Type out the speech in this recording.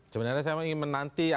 sebenarnya saya ingin menanti